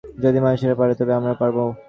যদি মানুষেরা পারে, তবে আমরাও পারবো।